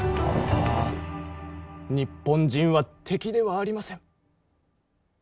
日本人は敵ではありません。